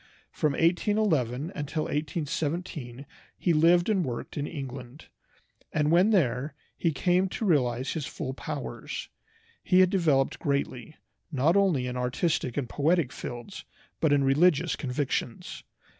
From 1811 until 1817 he lived and worked in England, and when there he came to realize his full powers. He had developed greatly, not only in artistic and poetic fields, but in religious convictions.